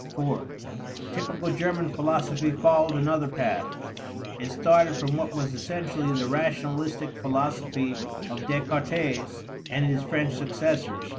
(iv) Typical German philosophy followed another path. It started from what was essentially the rationalistic philosophy of Descartes and his French successors.